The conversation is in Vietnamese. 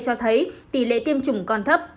cho thấy tỷ lệ tiêm chủng còn thấp